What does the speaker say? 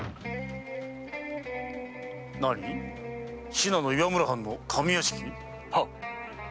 信濃岩村藩の上屋敷⁉総勢六名。